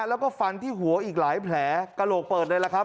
แล้วก็ฟันที่หัวอีกหลายแผลกระโหลกเปิดเลยล่ะครับ